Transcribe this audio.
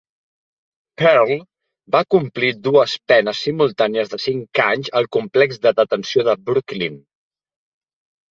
Perl va complir dues penes simultànies de cinc anys al Complex de detenció de Brooklyn.